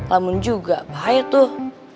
lamun juga bahaya tuh